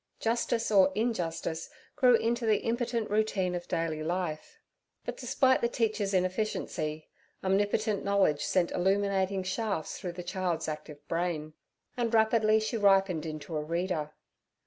Justice or injustice grew into the impotent routine of daily life. But, despite the teacher's inefficiency, omnipotent knowledge sent illuminating shafts through the child's active brain, and rapidly she ripened into a reader.